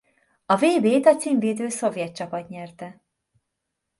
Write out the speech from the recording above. A vb-t a címvédő szovjet csapat nyerte.